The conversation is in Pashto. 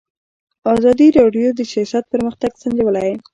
ازادي راډیو د سیاست پرمختګ سنجولی.